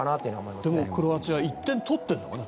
でもクロアチアは１点取ってるからね。